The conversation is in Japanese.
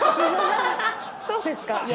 そうですか？